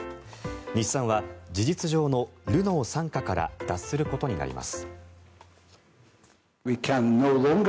日産は事実上のルノー傘下から脱することになります。